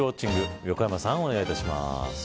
横山さん、お願いいたします。